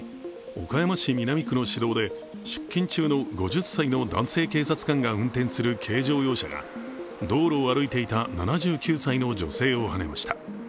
岡山市南区の市道で出勤中の５０歳の男性警察官が運転する軽乗用車が道路を歩いていた７９歳の女性をはねました。